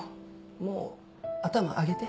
もう頭上げて。